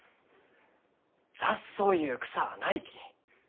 雑草ゆう草はないき。